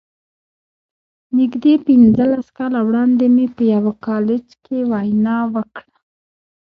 نږدې پينځلس کاله وړاندې مې په يوه کالج کې وينا وکړه.